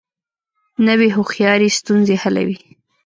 نوې هوښیاري ستونزې حلوي